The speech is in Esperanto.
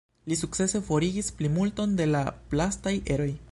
Li sukcese forigis plimulton de la plastaj eroj.